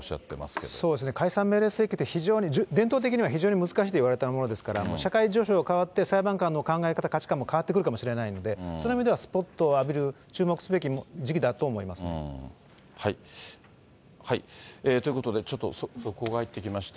けれ解散請求命令って非常に伝統的には非常に難しいといわれたものですから、社会情勢が変わって、裁判官の考え方、価値観も変わってくるかもしれないので、その意味ではスポットを浴びる、注目すべき時期だと思いますね。ということで、ちょっと速報が入ってきまして。